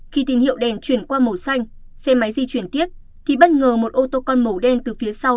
khi tín hiệu đèn chuyển qua màu xanh xe máy di chuyển tiếp thì bất ngờ một ô tô con màu đen từ phía sau